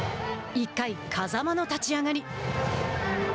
１回、風間の立ち上がり。